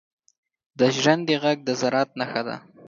• د ژرندې ږغ د زراعت نښه ده.